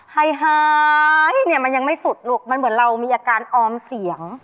หายเนี่ยมันยังไม่สุดลูกมันเหมือนเรามีอาการออมเสียง